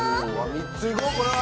３ついこうこれは！